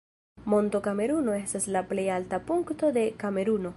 Monto Kameruno estas la plej alta punkto de Kameruno.